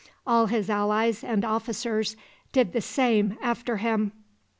All his allies and officers did the same after him.